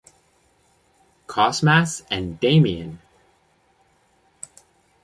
Cosmas and Damian.